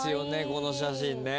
この写真ね。